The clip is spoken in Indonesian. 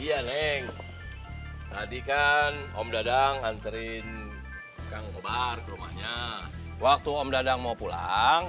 iya neng tadi kan om dadang nganterin kang kobar ke rumahnya waktu om dadang mau pulang